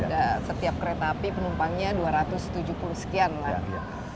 ada setiap kereta api penumpangnya dua ratus tujuh puluh sekian lagi